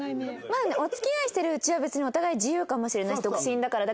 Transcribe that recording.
まあお付き合いしてるうちは別にお互い自由かもしれないし独身だから。